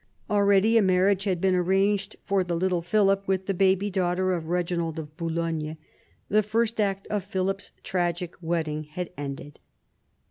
Already a marriage had been arranged for the little Philip with the baby daughter of Eeginald of Boulogne. The first act of Philip's tragic wedding had ended.